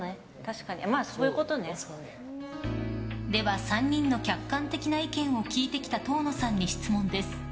では、３人の客観的な意見を聞いてきた遠野さんに質問です。